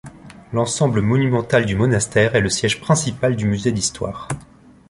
L'ensemble monumental du monastère est le siège principal du musée d'histoire.